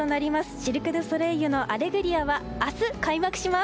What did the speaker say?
シルク・ドゥ・ソレイユの「アレグリア」は明日開幕します。